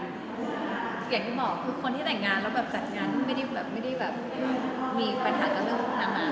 อย่างที่บอกคือคนที่แต่งงานและจัดงานเดียวไม่ได้แบบมีปัญถ่ายต่อเพื่อนต่อมา